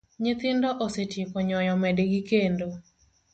Nyithindo osetieko nyoyo medgi kendo